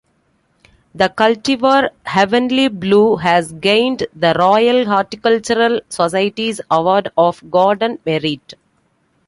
The cultivar 'Heavenly Blue' has gained the Royal Horticultural Society's Award of Garden Merit.